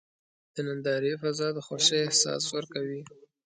د نندارې فضا د خوښۍ احساس ورکوي.